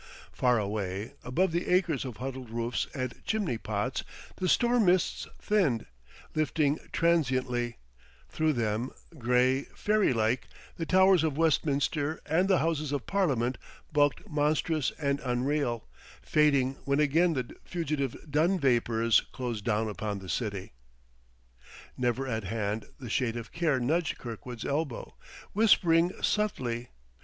Far away, above the acres of huddled roofs and chimney pots, the storm mists thinned, lifting transiently; through them, gray, fairy like, the towers of Westminster and the Houses of Parliament bulked monstrous and unreal, fading when again the fugitive dun vapors closed down upon the city. Nearer at hand the Shade of Care nudged Kirkwood's elbow, whispering subtly.